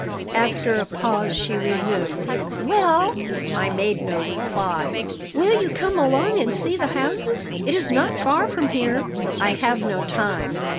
After a pause she resumed: "Well?" I made no reply "Will you come along and see the houses? It is not far from here." "I have no time."